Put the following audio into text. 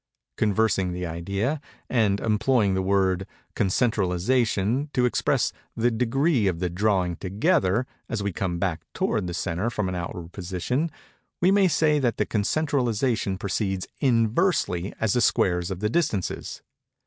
Conversing the idea, and employing the word "concentralization" to express the degree of the drawing together as we come back toward the centre from an outward position, we may say that concentralization proceeds inversely as the squares of the distances.